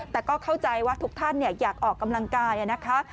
แต่ก็เข้าใจว่าทุกท่านอยากออกกำลังกายนะคะ